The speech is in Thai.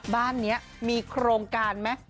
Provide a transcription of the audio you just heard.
บ้านนี้มีโครงการไหม